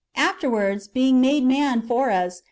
^ Afterwards, being made man for us.